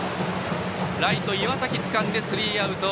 ライト岩崎つかんでスリーアウト。